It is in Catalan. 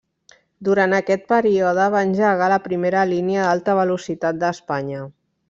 Durant aquest període, va engegar la primera línia d'alta velocitat d'Espanya.